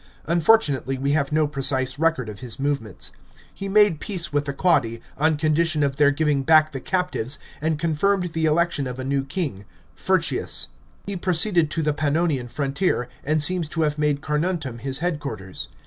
Unfortunately we have no precise record of his movements. He made peace with the Quadi, on condition of their giving; back the captives, and confirmed the election of a new king, Furtius. He proceeded to the Pannorian frontier, and seems to have made Carnuntum his headquarters.